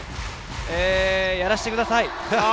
えっと、やらせてください。